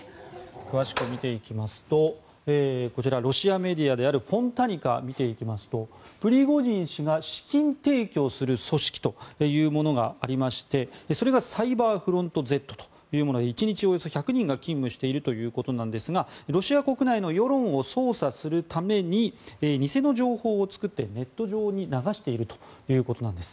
詳しく見ていきますとこちらロシアメディアであるフォンタニカを見てみますとプリゴジン氏が資金提供する組織というものがありましてそれがサイバーフロントＺというもので１日およそ１００人が勤務しているということですがロシア国内の世論を操作するために偽の情報を作って、ネット上に流しているということです。